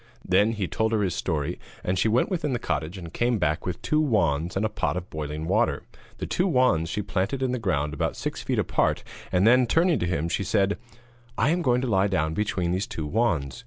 Then he told her his story, and she went within the cottage and came back with two wands, and a pot of boiling water. The two wands she planted in the ground about six feet apart, and then, turning to him, she said: 'I am going to lie down between these two wands.